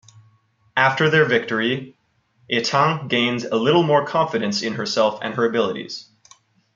After their victory, Etain gains a little more confidence in herself and her abilities.